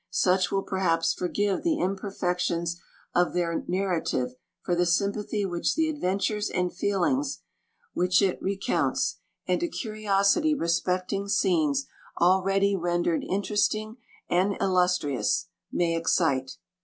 Such will perhaps forgive the imperfections of their nar rative for the sympathy which the adventures and feelings which it re VI counts, and a curiosity respecting scenes already rendered interesting and illustrious, may excite.